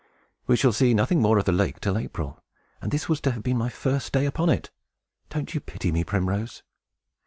We shall see nothing more of the lake till April; and this was to have been my first day upon it! Don't you pity me, Primrose?"